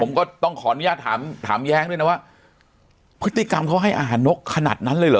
ผมก็ต้องขออนุญาตถามถามแย้งด้วยนะว่าพฤติกรรมเขาให้อาหารนกขนาดนั้นเลยเหรอ